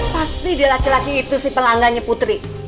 pasti dia laki laki itu si pelanggan putri